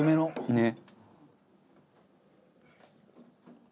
ねっ！